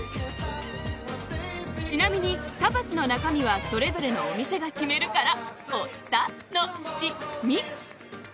ちなみにタパスの中身はそれぞれのお店が決めるからおたのしみ！